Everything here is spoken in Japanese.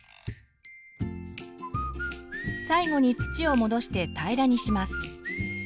最後に土を戻して平らにします。